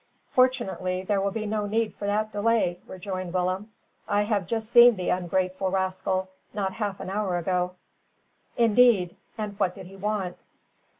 "Fortunately there will be no need for that delay," rejoined Willem. "I have just seen the ungrateful rascal, not half an hour ago." "Indeed. And what did he want?"